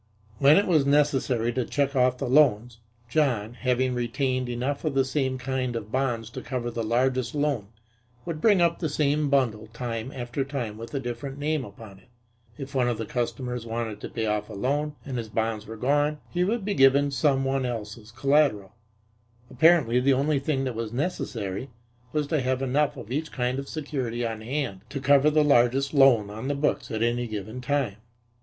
When it was necessary to check off the loans, John, having retained enough of the same kind of bonds to cover the largest loan, would bring up the same bundle time after time with a different name upon it. If one of the customers wanted to pay off a loan and his bonds were gone he would be given some one else's collateral. Apparently the only thing that was necessary was to have enough of each kind of security on hand to cover the largest loan on the books at any given time.